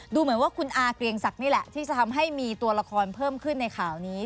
ดูเหมือนว่าคุณอาเกรียงศักดิ์นี่แหละที่จะทำให้มีตัวละครเพิ่มขึ้นในข่าวนี้